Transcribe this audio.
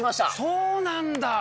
そうなんだ！